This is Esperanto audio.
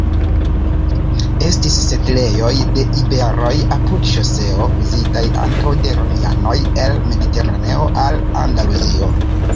Estis setlejoj de iberoj apud ŝoseo uzitaj ankaŭ de romianoj el Mediteraneo al Andaluzio.